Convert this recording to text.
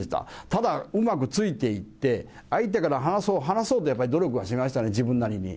ただ、うまくついていって、相手から離そう、離そうとやっぱり努力はしましたね、自分なりに。